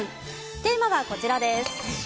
テーマはこちらです。